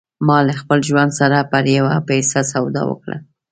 ما له خپل ژوند سره پر یوه پیسه سودا وکړه